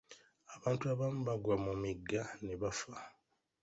Abantu abamu bagwa mu migga ne bafa.